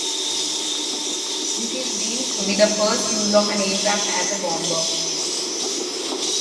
This is deemed to be the first use of an aircraft as a bomber.